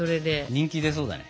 人気出そうだね。